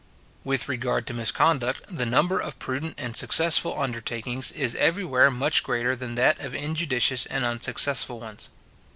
With regard to misconduct, the number of prudent and successful undertakings is everywhere much greater than that of injudicious and unsuccessful ones.